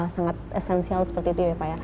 sangat esensial seperti itu ya pak ya